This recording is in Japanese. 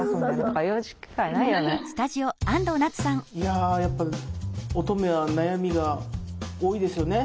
いややっぱ乙女は悩みが多いですよね。